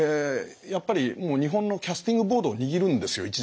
やっぱり日本のキャスティングボートを握るんですよ